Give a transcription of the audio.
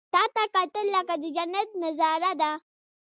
• تا ته کتل، لکه د جنت نظاره ده.